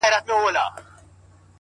زموږ څه ژوند واخله”